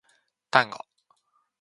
タンゴ